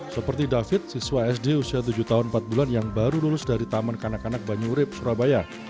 seperti david siswa sd usia tujuh tahun empat bulan yang baru lulus dari taman kanak kanak banyurip surabaya